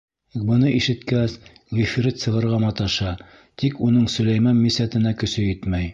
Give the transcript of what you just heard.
Быны ишеткәс, ғифрит сығырға маташа, тик уның Сөләймән мисәтенә көсө етмәй.